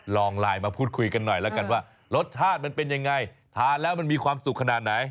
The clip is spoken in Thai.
ลองไลน์มาพูดคุยกันหน่อยแล้วกันว่ารสชาติมันเป็นยังไงทานแล้วมันมีความสุขขนาดไหน